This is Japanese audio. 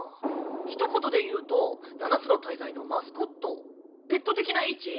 ひと言で言うと七つの大罪のマスコットペット的な位置？